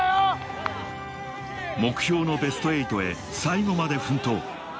目標のベスト８へ最後まで奮闘。